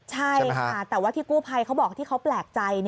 ใช่ค่ะแต่ว่าที่กู้ภัยเขาบอกที่เขาแปลกใจ